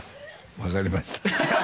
分かりました